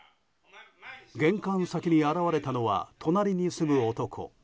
玄関先に現れたのは隣に住む男。